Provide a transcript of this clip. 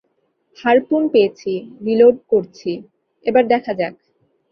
Harpoon পেয়েছি, reload করছি, এবার দেখা যাক।